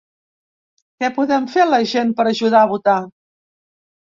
Què podem fer la gent per ajudar a votar?